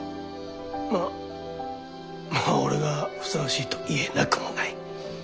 まあまあ俺がふさわしいと言えなくもない。